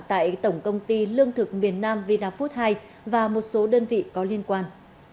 tại tổng công ty lương thực miền nam vnf hai và một số đơn vị có liên quan